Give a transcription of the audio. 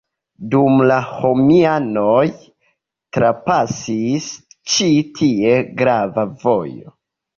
Dum la romianoj trapasis ĉi tie grava vojo.